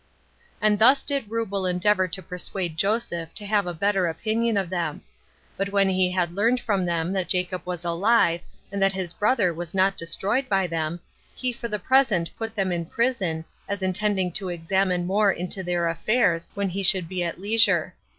4. And thus did Reubel endeavor to persuade Joseph to have a better opinion of them. But when he had learned from them that Jacob was alive, and that his brother was not destroyed by them, he for the present put them in prison, as intending to examine more into their affairs when he should be at leisure.